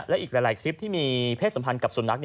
และอีกหลายคลิปที่มีเพศสัมพันธ์กับสุนัข